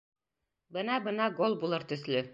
Бына-бына гол булыр төҫлө.